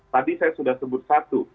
tadi saya sudah sebut satu